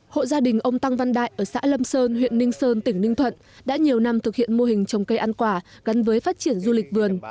hộ gia đình ông tăng văn đại ở xã lâm sơn huyện ninh sơn tỉnh ninh thuận đã nhiều năm thực hiện mô hình trồng cây ăn quả gắn với phát triển du lịch vườn